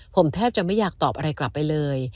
ผมแทบจะไม่อยากตอบอะไรกลับไปเลย